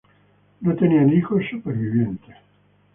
No tenían hijos sobrevivientes.